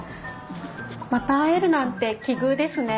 また会えるなんて奇遇ですね。